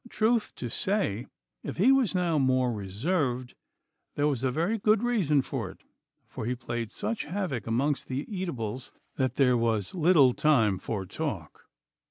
Truth to say, if he was now more reserved, there was a very good reason for it, for he played such havoc amongst the eatables that there was little time for talk.